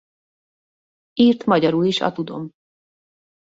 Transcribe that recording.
Írt magyarul is a Tudom.